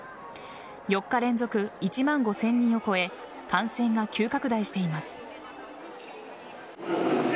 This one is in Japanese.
４日連続１万５０００人を超え感染が急拡大しています。